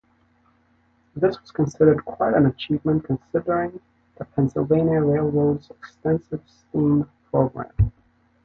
This was considered quite an achievement considering the Pennsylvania Railroad's extensive steam program.